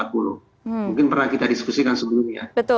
mungkin pernah kita diskusikan sebelumnya